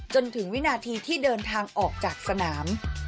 จนถึงวินาทีที่เดินทางออกจากสนาม